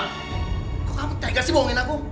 kok kamu tega sih bohongin aku